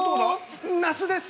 那須です。